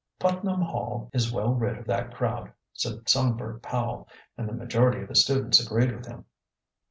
"Putnam Hall is well rid of that crowd," said Songbird Powell, and the majority of the students agreed with him.